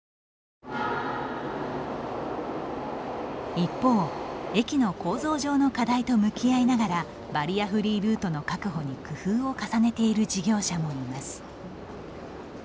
一方、駅の構造上の課題と向き合いながらバリアフリールートの確保に工夫を重ねている事業者もいます。